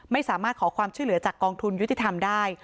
ไม่สามารถขอความช่วยเหลือจากกองทุนยุติธรรมได้